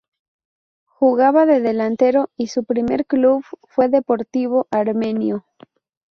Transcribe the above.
Jugaba de delantero y su primer club fue Deportivo Armenio.